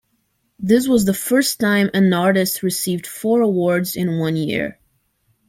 This was the first time an artist received four awards in one year.